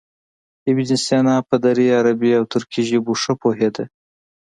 ابن سینا په دري، عربي او ترکي ژبو ښه پوهېده.